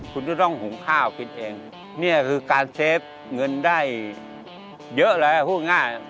คุณก็ต้องหุงข้าวกินเองเนี่ยคือการเซฟเงินได้เยอะแล้วพูดง่าย